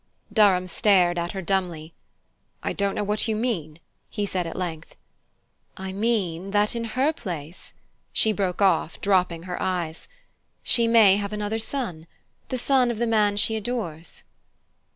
Durham stared at her dumbly. "I don't know what you mean," he said at length. "I mean that in her place " she broke off, dropping her eyes. "She may have another son the son of the man she adores."